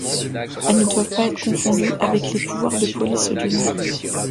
Elles ne doivent pas être confondues avec les pouvoirs de police du maire.